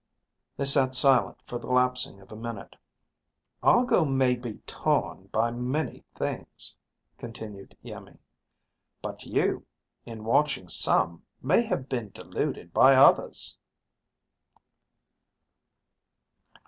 They sat silent for the lapsing of a minute. "Argo may be torn by many things," continued Iimmi. "But you, in watching some, may have been deluded by others."